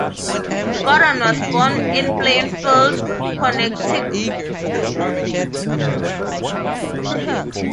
Gordon was born in Plainfield, Connecticut and studied law.